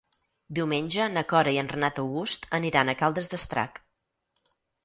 Diumenge na Cora i en Renat August aniran a Caldes d'Estrac.